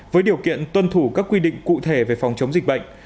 với điều kiện tuân thủ các quy định cụ thể về phòng chống dịch bệnh